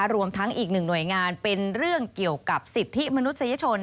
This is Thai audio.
รวมทั้งอีกหนึ่งหน่วยงานเป็นเรื่องเกี่ยวกับสิทธิมนุษยชน